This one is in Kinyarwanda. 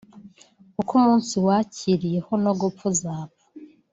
kuko umunsi wakiriyeho no gupfa uzapfa